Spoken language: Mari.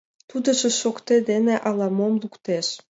Тудыжо шокте дене ала-мом луктеш.